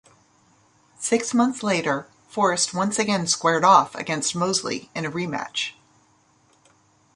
Six months later, Forrest once again squared off against Mosley in a rematch.